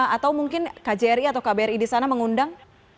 atau mungkin kjri atau kbri di sana mengundang